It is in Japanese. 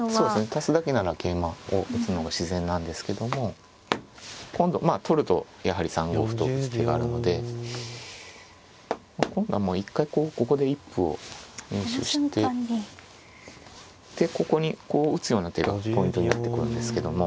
足すだけなら桂馬を打つのが自然なんですけども今度まあ取るとやはり３五歩と打つ手があるので今度はもう一回こうここで一歩を入手してでここにこう打つような手がポイントになってくるんですけども。